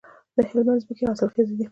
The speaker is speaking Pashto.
د هلمند ځمکې حاصلخیزه دي